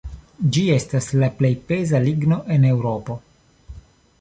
Ĝi estas la plej peza ligno en Eŭropo.